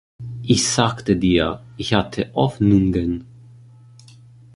Ich sagte Dir, ich hatte Hoffnungen.